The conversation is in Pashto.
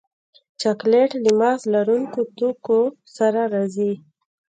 چاکلېټ له مغز لرونکو توکو سره راځي.